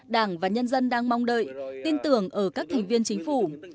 đảng và nhân dân đang mong đợi tin tưởng ở các thành viên chính phủ